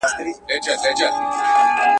دا د پېړیو توپانونو آزمېیلی وطن!